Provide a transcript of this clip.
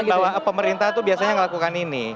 betul dan bahwa pemerintah itu biasanya melakukan ini